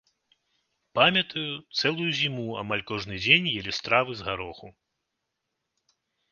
Памятаю, цэлую зіму амаль кожны дзень елі стравы з гароху.